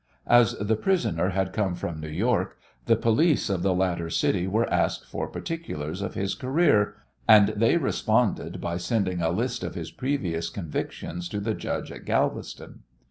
As the prisoner had come from New York, the police of the latter city were asked for particulars of his career, and they responded by sending a list of his previous convictions to the judge at Galveston.